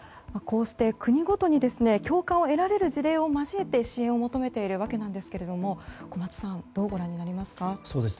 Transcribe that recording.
こうして国ごとに共感を得られる事例を交えて支援を求めているわけなんですけど小松さんどうご覧になりますか？